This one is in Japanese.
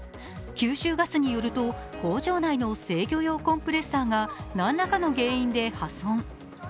九州ガスによると工場内の制御用コンプレッサーが何らかの原因で破損。